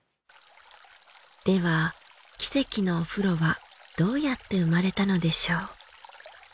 では奇跡のお風呂はどうやって生まれたのでしょう？